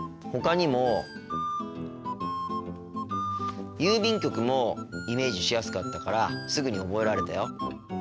ほかにも郵便局もイメージしやすかったからすぐに覚えられたよ。